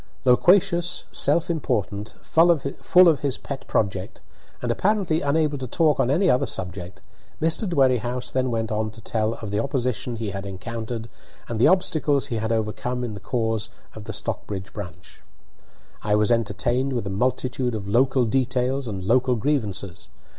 Loquacious, self important, full of his pet project, and apparently unable to talk on any other subject, Mr. Dwerrihouse then went on to tell of the opposition he had encountered and the obstacles he had overcome in the cause of the Stockbridge branch. I was entertained with a multitude of local details and local grievances.